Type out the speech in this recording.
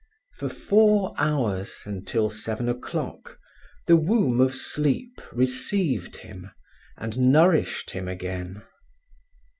For four hours, until seven o'clock, the womb of sleep received him and nourished him again.